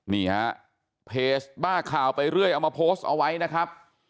นี่ฮะเพจบ้าข่าวไปเรื่อยเอามาโพสต์เอาไว้นะครับ